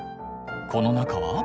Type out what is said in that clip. この中は？